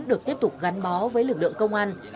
được tiếp tục gắn bó với lực lượng công an